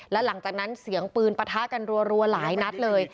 แล้วหลังจากนั้นเสียงปืนปะทะกันรัวหลายนัดเลย